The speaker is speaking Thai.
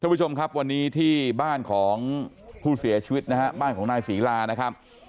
ผู้ชมครับวันนี้ที่บ้านของผู้เสียชีวิตนะฮะบ้านของนายศรีลานะครับ